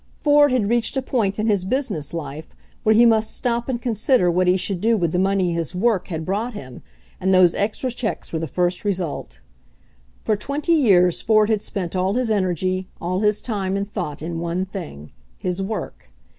Ford had reached a point in his business life where he must stop and consider what he should do with the money his work had i 4 o HENRY FORD'S OWN STORY brought him, and those extra checks were the first result. For twenty years Ford had spent all his energy, all his time and thought in one thing — his work.